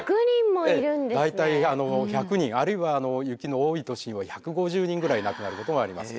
大体１００人あるいは雪の多い年には１５０人ぐらい亡くなることがあります。